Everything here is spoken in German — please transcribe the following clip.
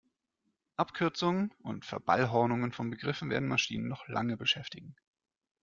Abkürzungen und Verballhornungen von Begriffen werden Maschinen noch lange beschäftigen.